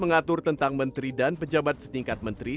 mengatur tentang menteri dan pejabat setingkat menteri